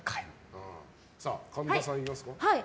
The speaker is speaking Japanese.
神田さん、いきますか。